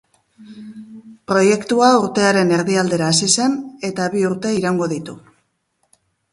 Proiektua urtearen erdi aldera hasi zen eta bi urte iraungo ditu.